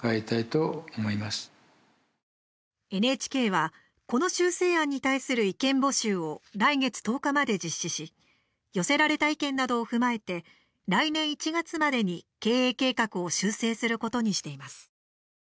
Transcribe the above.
ＮＨＫは、この修正案に対する意見募集を来月１０日まで実施し寄せられた意見などを踏まえて来年１月までに経営計画を修正することにしています。